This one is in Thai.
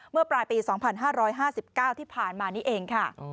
เมื่อปลายปี๒๕๕๙ที่ผ่านมานี้เองค่ะ